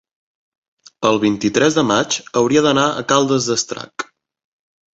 el vint-i-tres de maig hauria d'anar a Caldes d'Estrac.